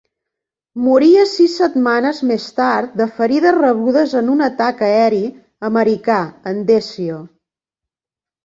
Moria sis setmanes més tard de ferides rebudes en un atac aeri americà en Desio.